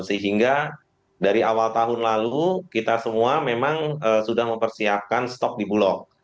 sehingga dari awal tahun lalu kita semua memang sudah mempersiapkan stok di bulog